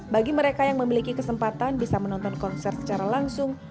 bagi mereka yang memiliki kesempatan bisa menonton konser secara langsung